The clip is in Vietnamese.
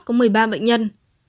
có một mươi ba bệnh nhân